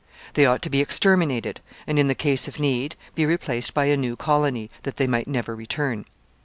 They ought to be exterminated, and, in case of need, be replaced by a new colony, that they might never return.